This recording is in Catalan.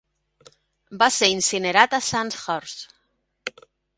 Va ser incinerat a Sandhurst.